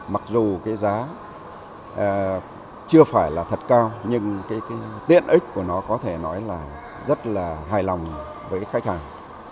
mặc dù cái giá chưa phải là thật cao nhưng cái tiện ích của nó có thể nói là rất là hài lòng với khách hàng